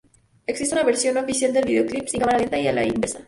Existe una versión no oficial del videoclip sin cámara lenta y a la inversa.